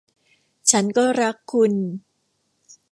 ฉันก็รักคุณ